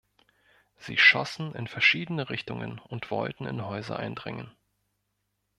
Sie schossen in verschiedene Richtungen und wollten in Häuser eindringen.